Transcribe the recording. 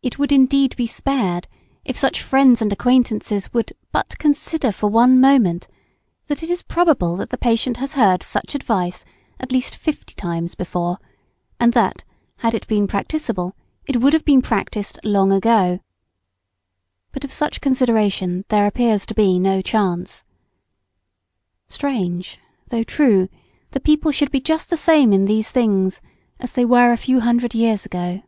It would indeed be spared, if such friends and acquaintances would but consider for one moment, that it is probable the patient has heard such advice at least fifty times before, and that, had it been practicable, it would have been practised long ago. But of such consideration there appears to be no chance. Strange, though true, that people should be just the same in these things as they were a few hundred years ago!